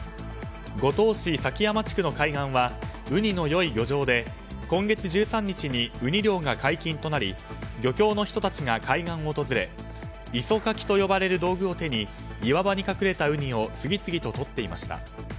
五島市崎山地区の海岸はウニの良い漁場で今月１３日にウニ漁が解禁となり漁協の人たちが海岸を訪れ、磯カキと呼ばれる道具を手に岩場に隠れたウニを次々ととっていました。